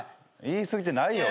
言い過ぎてないよ。